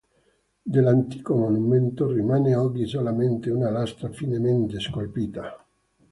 Dell'antico monumento rimane oggi solamente una lastra finemente scolpita.